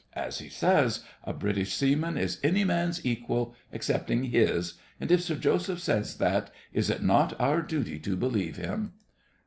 As he says, a British seaman is any man's equal excepting his, and if Sir Joseph says that, is it not our duty to believe him?